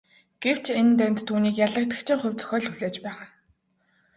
Гэвч энэ дайнд түүнийг ялагдагчийн хувь зохиол хүлээж байгаа.